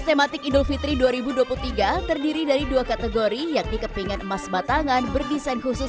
tematik idul fitri dua ribu dua puluh tiga terdiri dari dua kategori yakni kepingan emas batangan berdesain khusus